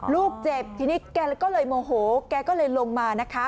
ลูกเจ็บทีนี้แกก็เลยโมโหแกก็เลยลงมานะคะ